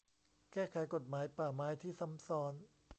แก้ไขกฎหมายป่าไม้ที่ซ้ำซ้อน